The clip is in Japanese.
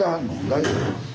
大丈夫？